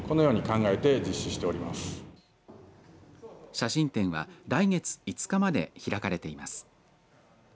写真展は来月５日まで開かれています。